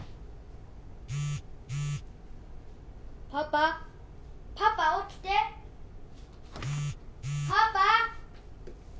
パパパパ起きてパパ！